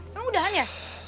emang udahan ya